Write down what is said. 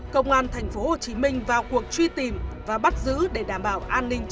công an thành phố hồ chí minh vào cuộc truy tìm và bắt giữ để đảm bảo an